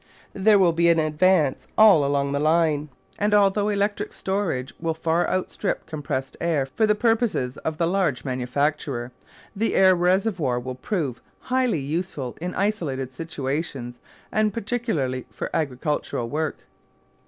There will be an advance all along the line; and although electric storage will far outstrip compressed air for the purposes of the large manufacturer, the air reservoir will prove highly useful in isolated situations, and particularly for agricultural work.